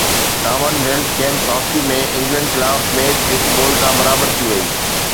ڪمن wealth Games hockey ۾ England خلاف match هڪ گول تان برابر ٿي وئي